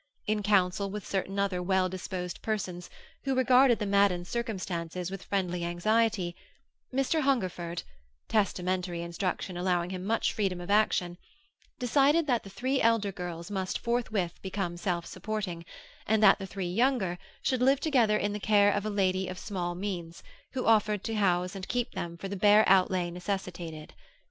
In council with certain other well disposed persons, who regarded the Maddens' circumstances with friendly anxiety, Mr. Hungerford (testamentary instruction allowing him much freedom of action) decided that the three elder girls must forthwith become self supporting, and that the three younger should live together in the care of a lady of small means, who offered to house and keep them for the bare outlay necessitated.